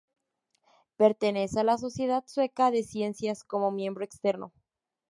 Pertenece a la sociedad sueca de ciencias, como miembro externo.